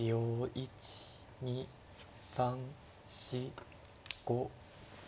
１２３４５。